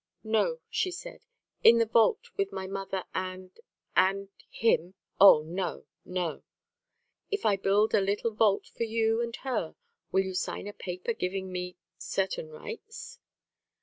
"No," she said. "In the vault with my mother and and him? Oh, no! no!" "If I build a little vault for you and her will you sign a paper giving me certain rights?"